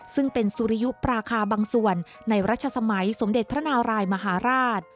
ซึ่งเป็นสุริยุปราคาบางส่วนในรัชสมัยสมเด็จพระนารายมหาราช